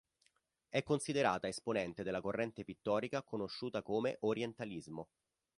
È considerata esponente della corrente pittorica conosciuta come orientalismo.